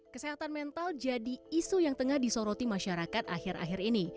kesehatan mental jadi isu yang tengah disoroti masyarakat akhir akhir ini